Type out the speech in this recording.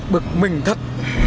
bực mình thật